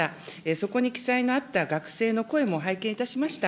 そこに記載のあった学生の声も拝見いたしました。